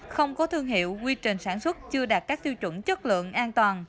không có thương hiệu quy trình sản xuất chưa đạt các tiêu chuẩn chất lượng an toàn